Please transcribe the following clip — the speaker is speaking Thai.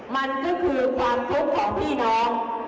มันก็คือความทุกข์ของพี่น้อง